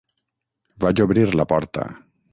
Vaig obrir la porta.